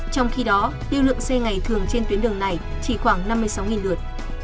trong khi đó lưu lượng xe ngày thường trên tuyến đường này chỉ khoảng năm mươi sáu lượt